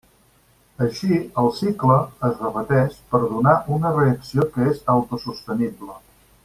Així, el cicle es repeteix per donar una reacció que és autosostenible.